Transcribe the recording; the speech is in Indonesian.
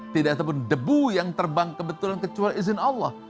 tidak satupun debu yang terbang kebetulan kecuali izin allah